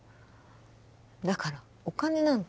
だからお金なんて